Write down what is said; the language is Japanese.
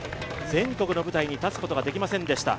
全国の舞台に立つことができませんでした。